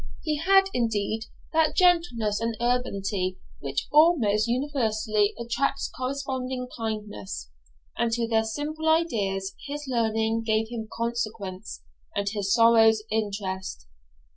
He had, indeed, that gentleness and urbanity which almost universally attracts corresponding kindness; and to their simple ideas his learning gave him consequence, and his sorrows interest.